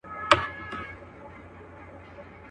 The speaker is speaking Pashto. ته خبر یې د تودې خوني له خونده؟!.